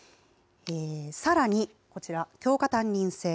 さらにこちら、教科担任制。